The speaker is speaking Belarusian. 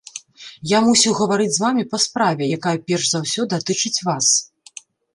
Я мусіў гаварыць з вамі па справе, якая перш за ўсё датычыць вас.